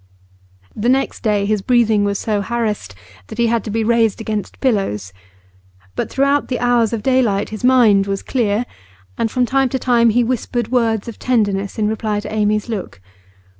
The next day his breathing was so harassed that he had to be raised against pillows. But throughout the hours of daylight his mind was clear, and from time to time he whispered words of tenderness in reply to Amy's look.